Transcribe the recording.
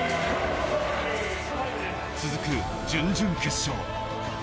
続く準々決勝。